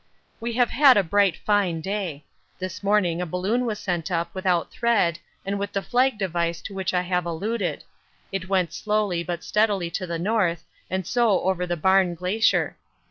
We have had a bright fine day. This morning a balloon was sent up without thread and with the flag device to which I have alluded. It went slowly but steadily to the north and so over the Barne Glacier.